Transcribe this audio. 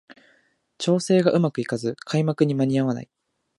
調整がうまくいかず開幕に間に合わない